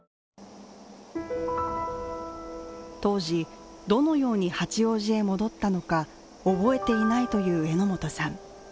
当時、どのように八王子へ戻ったのか覚えていないという榎本さん。